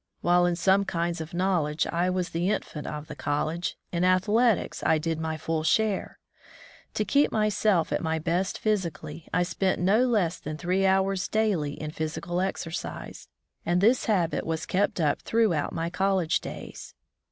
While in some kinds of knowledge I was the infant of the college, in athletics I did my full share. To keep myself at my best physically, I spent no less than three hours daily in physical exercise, and this habit was kept up throughout my college days.